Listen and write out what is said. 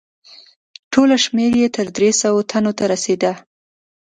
ټوله شمیر یې تر درې سوه تنو ته رسیده.